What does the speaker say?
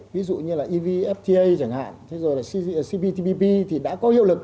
ví dụ như evfta chẳng hạn cptpp thì đã có hiệu lực